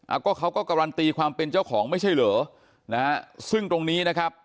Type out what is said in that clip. ก็เขาก็การันตีความเป็นเจ้าของไม่ใช่เหรอนะฮะซึ่งตรงนี้นะครับ